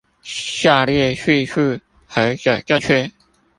下列敘述何者正確？